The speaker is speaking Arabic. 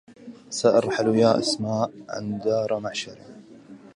سأرحل يا أسماء عن دار معشر